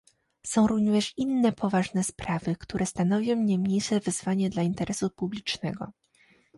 Są również inne poważne sprawy, które stanowią nie mniejsze wyzwanie dla interesu publicznego